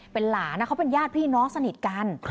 เป็นหลานเค้าเป็นพี่ห้ามนอนสนิทกัน